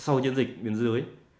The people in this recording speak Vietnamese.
sau chiến dịch biên giới